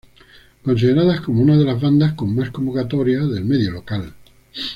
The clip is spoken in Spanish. Considerada como una de las bandas con más convocatoria del medio local.